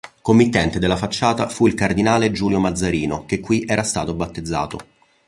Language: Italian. Committente della facciata fu il cardinale Giulio Mazzarino, che qui era stato battezzato.